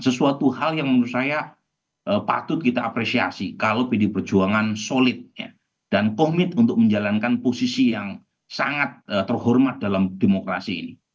sesuatu hal yang menurut saya patut kita apresiasi kalau pdi perjuangan solid dan komit untuk menjalankan posisi yang sangat terhormat dalam demokrasi ini